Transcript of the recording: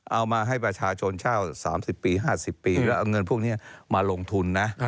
เอามาให้ประชาชนเช่า๓๐ปี๕๐ปีแล้วเอาเงินพวกนี้มาลงทุนนะ